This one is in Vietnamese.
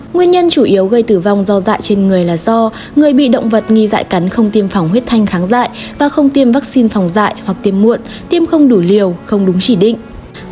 nguyên nhân chủ yếu gây tử vong do dạy trên người là do người bị động vật nghi dại cắn không tiêm phòng huyết thanh kháng dại và không tiêm vaccine phòng dạy hoặc tiêm muộn tiêm không đủ liều không đúng chỉ định